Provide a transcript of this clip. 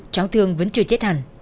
cháu thương vẫn chưa chết hẳn